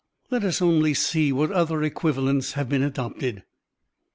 Let us only see what other equivalents have been adopted.